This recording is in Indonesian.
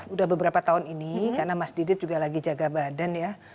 udah beberapa tahun ini karena mas didit juga lagi jaga badan ya